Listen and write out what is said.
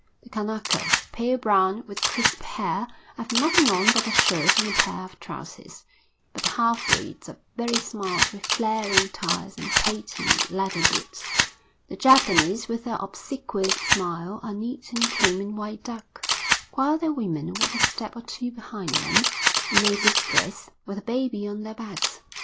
The Kanakas, pale brown, with crisp hair, have nothing on but a shirt and a pair of trousers; but the half breeds are very smart with flaring ties and patent leather boots. The Japanese, with their obsequious smile, are neat and trim in white duck, while their women walk a step or two behind them, in native dress, with a baby on their backs.